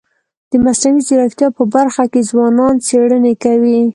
د مصنوعي ځیرکتیا په برخه کي ځوانان څېړني کوي.